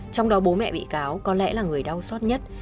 trong đó bố mẹ bị cáo có lẽ là người đau xót nhất